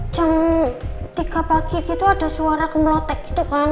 jam tiga pagi gitu ada suara kemelotek gitu kan